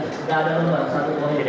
gak ada nomor satu poin